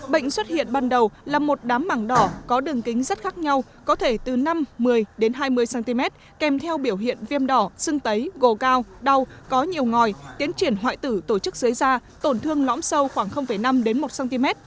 bệnh xuất hiện ban đầu là một đám mảng đỏ có đường kính rất khác nhau có thể từ năm một mươi đến hai mươi cm kèm theo biểu hiện viêm đỏ xưng tấy gồ cao đau có nhiều ngòi tiến triển hoại tử tổ chức dưới da tổn thương lõm sâu khoảng năm một cm